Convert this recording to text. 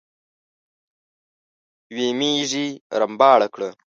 يوې ميږې رمباړه کړه.